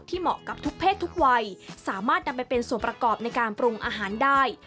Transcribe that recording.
เหมาะกับทุกเพศทุกวัยสามารถนำไปเป็นส่วนประกอบในการปรุงอาหารได้